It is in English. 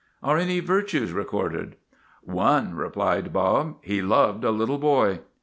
* Are any virtues recorded ?''/ One," replied Bob. " He loved a little boy."